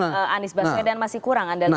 dari anies baselnya dan masih kurang anda lihat